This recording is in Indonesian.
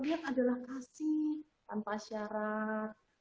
lihat adalah kasih tanpa syarat